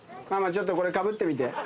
ちょっとこれかぶってみて。